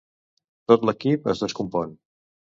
Tot l'equip es descompon.